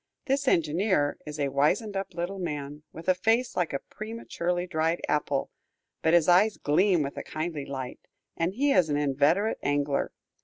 This engineer is a wizened up little man, with a face like a prematurely dried apple, but his eyes gleam with a kindly light, and he is an inveterate angler.